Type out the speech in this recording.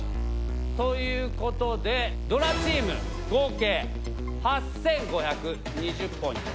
ということでドラチーム合計８，５２０ポイント。